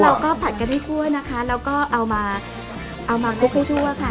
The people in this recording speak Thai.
เราก็ผัดกันให้ทั่วนะคะแล้วก็เอามาทิ้งทั่วค่ะ